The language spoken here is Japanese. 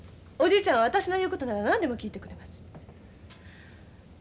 おじいちゃんは私の言う事なら何でも聞いてくれます。